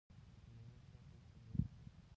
د میوو چاټ ډیر خوندور وي.